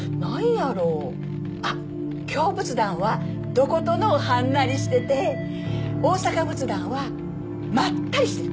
あっ京仏壇はどことのうはんなりしてて大阪仏壇はまったりしてる。